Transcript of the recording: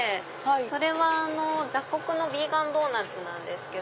それは雑穀ヴィーガンドーナツなんです。